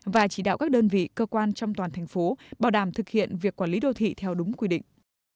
và chỉ đạo các đơn vị cơ quan trong toàn thành phố bảo đảm thực hiện việc quản lý đô thị theo đúng quy định